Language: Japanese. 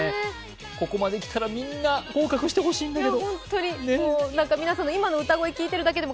ここまできたらみんな合格してほしいんだけど。